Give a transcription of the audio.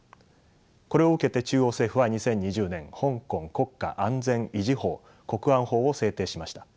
これを受けて中央政府は２０２０年香港国家安全維持法国安法を制定しました。